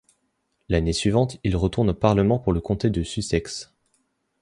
L'année suivante, il retourne au parlement pour le comté de Sussex.